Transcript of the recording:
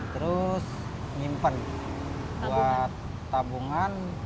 terus nyimpen buat tabungan